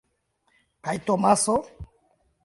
Kaj Tomaso?